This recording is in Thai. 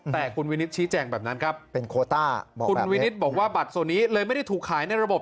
แต่คุณวินิศชี้แจงแบบนั้นครับคุณวินิศบอกว่าบัตรโซนี้เลยไม่ได้ถูกขายในระบบ